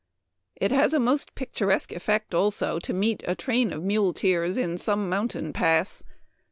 ..." It has a most picturesque effect, also, to meet a train oi muleteers in some mountain pass.